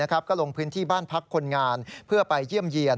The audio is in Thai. ก็ลงพื้นที่บ้านพักคนงานเพื่อไปเยี่ยมเยี่ยน